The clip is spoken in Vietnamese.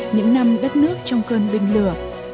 những năm đất nước trong cơn linh lửa